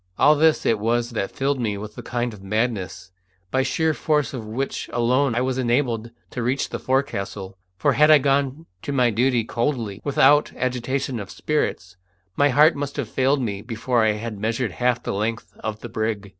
All this it was that filled me with a kind of madness, by the sheer force of which alone I was enabled to reach the forecastle, for had I gone to my duty coldly, without agitation of spirits, my heart must have failed me before I had measured half the length of the brig.